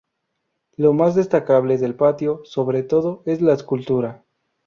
Lo más destacable del patio, sobre todo, es la escultura.